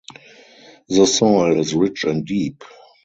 The soil is rich and deep.